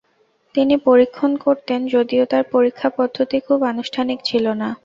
তিনি পরীক্ষণ করতেন, যদিও তার পরীক্ষা পদ্ধতি খুব আনুষ্ঠানিক ছিলনা।